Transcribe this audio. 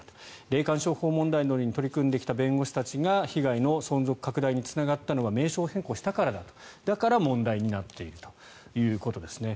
霊感商法問題などに取り組んできた弁護士らは被害の存続、拡大につながったのは名称変更したからだとだから問題になっているということですね。